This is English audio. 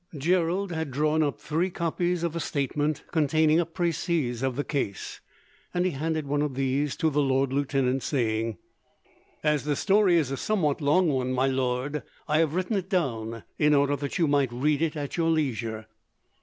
Gerald had drawn up three copies of a statement containing a precis of the case, and he handed one of these to the lord lieutenant, saying: "As the story is a somewhat long one, my lord, I have written it down, in order that you might read it at your leisure."